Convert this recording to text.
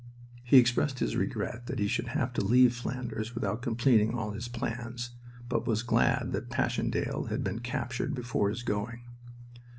He expressed his regret that he should have to leave Flanders without completing all his plans, but was glad that Passchendaele had been captured before his going.